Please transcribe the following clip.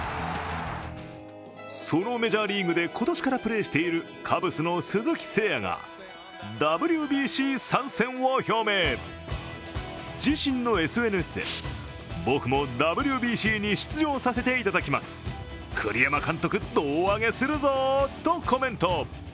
そのメジャーリーグで今年からプレーしているカブスの鈴木誠也がＷＢＣ参戦を表明自身のＳＮＳで、僕もＷＢＣに出場させていただきます、栗山監督胴上げするぞぉーとコメント。